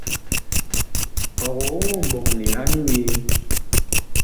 Ɔg oŋoo mɓɔŋle anyuu yee ?